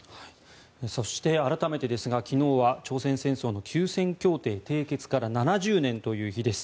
そして改めてですが昨日は朝鮮戦争の休戦協定締結から７０年という日です。